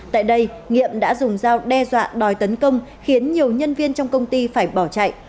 tại đây nhiệm đã dùng dao đe dọa đòi tấn công khiến nhiều nhân viên trong công ty phải bỏ chạy